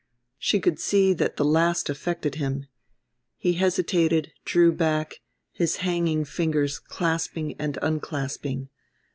She could see that the last affected him; he hesitated, drew back, his hanging fingers clasping and unclasping.